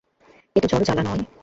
এ তো জ্বরজ্বালা নয়।